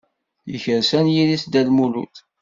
Yekres anyir-is Dda Lmulud.